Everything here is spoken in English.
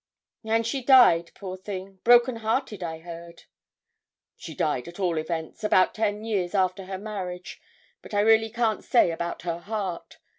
'And she died, poor thing, broken hearted, I heard.' 'She died, at all events, about ten years after her marriage; but I really can't say about her heart.